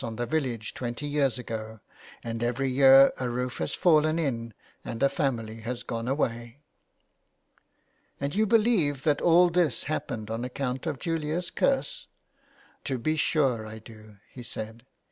on the village twenty years ago, and every year a roof has fallen in and a family has gone away." " And you believe that all this happens on account of Julia's curse ?"" To be sure I do/' he said.